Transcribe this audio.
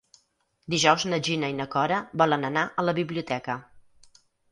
Dijous na Gina i na Cora volen anar a la biblioteca.